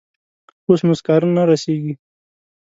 اوس نو سکاره نه رسیږي.